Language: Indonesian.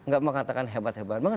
gak mengatakan hebat hebat banget